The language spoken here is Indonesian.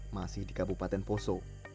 masih di kabupaten poso